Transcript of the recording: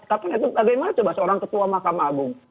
tapi itu tadi mah coba seorang ketua mahkamah abu